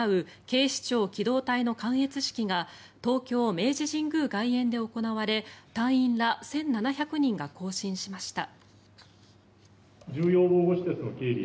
警視庁機動隊の観閲式が東京・明治神宮外苑で行われ隊員ら１７００人が行進しました。